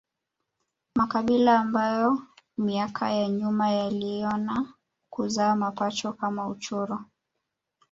makabila ambayo miaka ya nyuma yaliona kuzaa mapacha kama uchuro